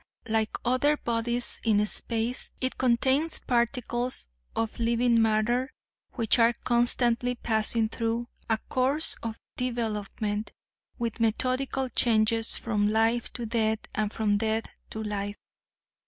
Like other bodies in space, it contains particles of living matter which are constantly passing through a course of development with methodical changes from life to death and from death to life.